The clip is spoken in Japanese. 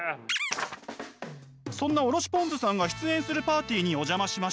そんなおろしぽんづさんが出演するパーティーにお邪魔しました。